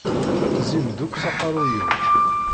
Zzin-d akk s aqaṛṛuy-iw.